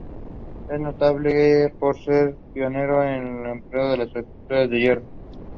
Martin played in all the matches except the defeat by Tasmania.